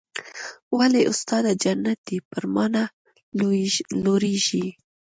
ولې استاده جنت دې پر ما نه لورېږي.